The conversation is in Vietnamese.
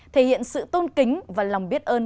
thể hiện sự tôn kính và lòng biết ơn